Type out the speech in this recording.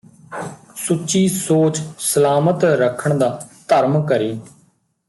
ਸੁੱਚੀ ਸੋਚ ਸਲਾਮਤ ਰੱਖਣ ਦਾ ਧਰਮ ਕਰੀਂ